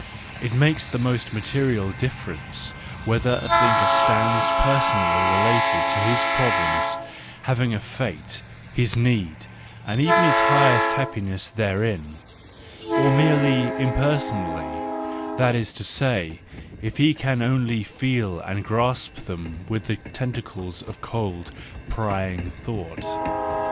It makes the most material difference whether a thinker stands personally related to his problems, having his fate, his need, and even his highest happiness therein ; or merely impersonally, that is to say, if he can only feel and grasp them with the tentacles of cold, prying thought.